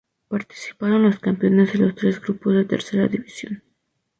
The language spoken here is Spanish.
Participaron los campeones de los tres grupos de Tercera División.